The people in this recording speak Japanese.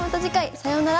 さようなら。